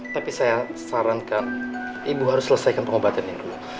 tapi saya sarankan ibu harus selesaikan pengobatan ini dulu